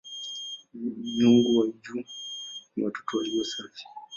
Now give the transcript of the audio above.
Miungu wa juu ni "watatu walio safi".